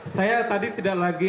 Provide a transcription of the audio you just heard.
saya tadi tidak lagi